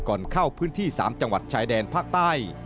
ก่อนเข้าพื้นที่๓จังหวัดชายแดนภาคใต้